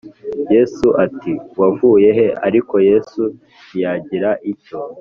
Yesu ati Wavuye he Ariko Yesu ntiyagira icyo